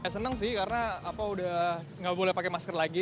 senang sih karena apa udah nggak boleh pakai masker lagi